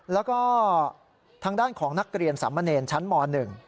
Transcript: แล้วก็ทางด้านของนักเรียนสามเมอร์เนนชั้นหมอหนึ่ง